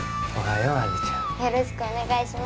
よろしくお願いします